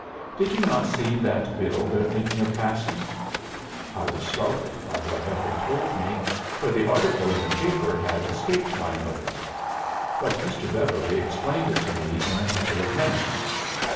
Did you not see that bill they're thinking of passing?' I was startled by what Ethel told me, for the article in the paper had escaped my notice. But Mr. Beverly explained it to me in a couple of minutes.